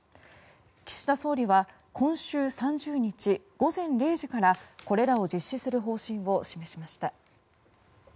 岸田総理は今週３０日午前０時からこれらを実施する方針を示しました。